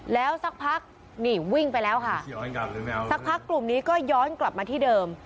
แล้วสักพักนี่วิ่งไปแล้วค่ะสักพักกลุ่มนี้ก็ย้อนกลับมาที่เดิม